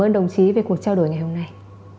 xin cảm ơn đồng chí về cuộc trao đổi ngày hôm nay